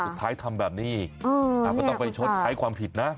สุดท้ายทำแบบนี้ต้องไปชดใช้ความผิดนะ